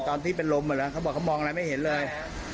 ตอนที่เป็นลมเหรอมองละไม่เห็นเลย